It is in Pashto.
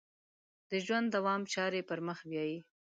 د ژوند دوام چارې پر مخ بیایي.